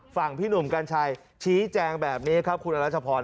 พี่หนุ่มกัญชัยชี้แจงแบบนี้ครับคุณรัชพร